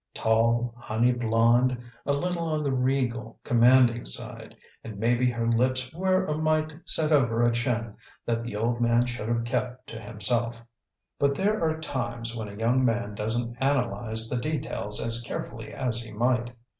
Tall, honey blonde a little on the regal, commanding side, and maybe her lips were a mite set over a chin that the old man should have kept to himself but there are times when a young man doesn't analyze the details as carefully as he might.